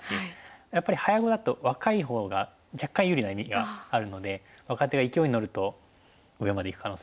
やっぱり早碁だと若いほうが若干有利な意味があるので若手が勢いに乗ると上までいく可能性あるんで。